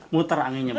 muter anginnya bu